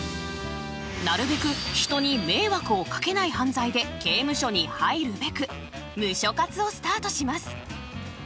なるべく人に迷惑をかけない犯罪で刑務所に入るべく「ムショ活」をスタートします。